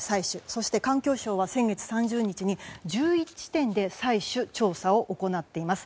そして環境省は先月３０日に１１地点で採取・調査を行っています。